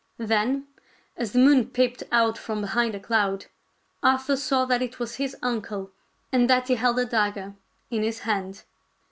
Then, as the moon peeped out from behind a cloud, Arthur saw that it was his uncle and that he held a dagger in his hand.